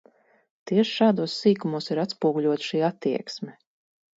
Tieši šādos sīkumos ir atspoguļota šī attieksme.